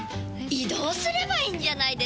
移動すればいいんじゃないですか？